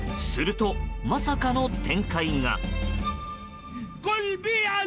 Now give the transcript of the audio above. すると、まさかの展開が。